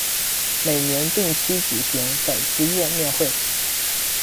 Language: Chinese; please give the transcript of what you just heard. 每年定期举行粉丝见面会。